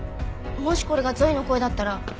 もしこれがゾイの声だったら。